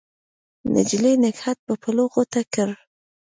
نجلۍ نګهت په پلو غوټه کړ